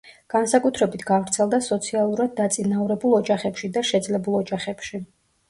განსაკუთრებით გავრცელდა სოციალურად დაწინაურებულ ოჯახებში და შეძლებულ ოჯახებში.